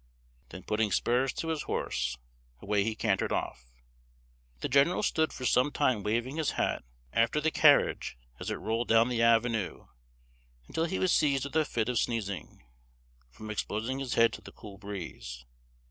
Then putting spurs to his horse, away he cantered off. The general stood for some time waving his hat after the carriage as it rolled down the avenue, until he was seized with a fit of sneezing, from exposing his head to the cool breeze.